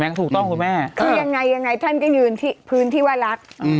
เห็นมั้ยถูกต้องคุณแม่คือยังไงท่านก็ยืนพื้นที่ว่ารัก